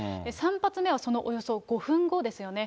３発目は、そのおよそ５分後ですよね。